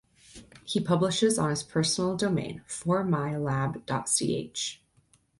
He publishes on his personal domain, fourmilab.ch.